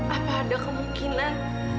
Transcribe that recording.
apa ada kemungkinan